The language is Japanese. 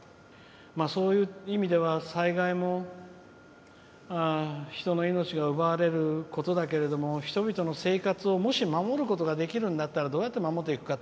そういう意味では災害も人の命が奪われることだけれども人々の生活をもし守ることができるんだったらどうやって守るんだって